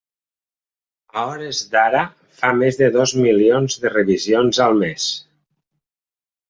A hores d'ara fa més de dos milions de revisions al mes.